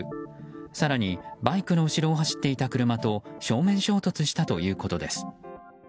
更にバイクの後ろを走っていた車と正面衝突したということです。